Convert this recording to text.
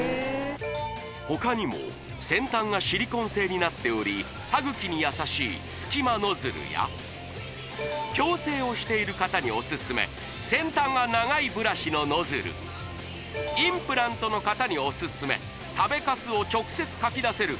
他にも先端がシリコン製になっており歯ぐきに優しい隙間ノズルや矯正をしている方にオススメ先端が長いブラシのノズルインプラントの方にオススメ食べかすを直接かき出せる